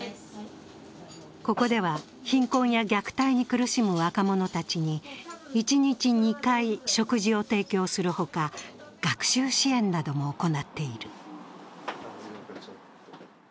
ここでは貧困や虐待に苦しむ若者たちに一日２回食事を提供するほか学習支援なども行っている。